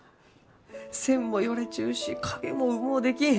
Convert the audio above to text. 線もよれちゅうし影もうもうできん！